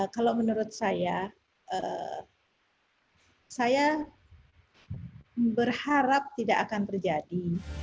kalau menurut saya saya berharap tidak akan terjadi